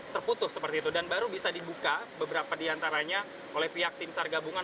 terputus seperti itu dan baru bisa dibuka beberapa diantaranya oleh pihak tim sargabungan